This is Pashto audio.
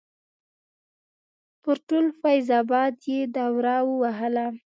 پر ټول فیض اباد یې دوره ووهله.